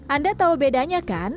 anda tahu bedanya kan